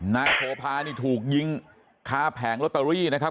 นายโสภานี่ถูกยิงคาแผงลอตเตอรี่นะครับ